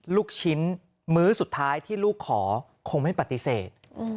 ลูกชิ้นมื้อสุดท้ายที่ลูกขอคงไม่ปฏิเสธ